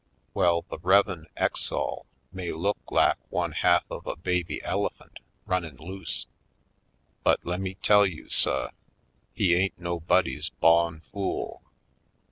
Well, the Rev'n. Exall may look lak one half of a baby elephant runnin' loose, but lemme tell you, suh, he ain't nobody's bawn fool.